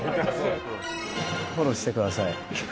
フォローしてください。